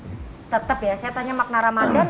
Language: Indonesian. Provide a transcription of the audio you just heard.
tetep ya saya tanya makna ramadhan